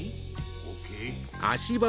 ＯＫ。